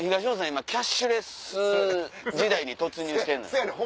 今キャッシュレス時代に突入してんのよ。